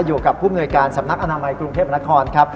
อยู่กับผู้มนวยการสำนักอนามัยกรุงเทพนครครับ